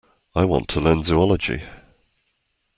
I want to learn Zoology.